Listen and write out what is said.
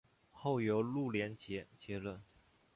后由陆联捷接任。